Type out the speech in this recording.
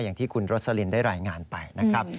อย่างที่คุณรสลินได้รายงานไปนะครับ